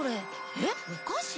えっお菓子？